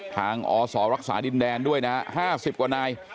อศรักษาดินแดนด้วยนะฮะ๕๐กว่านาย